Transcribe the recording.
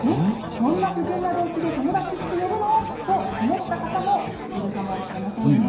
そんな不純な動機で友達って呼ぶの？って思った方もいるかもしれません。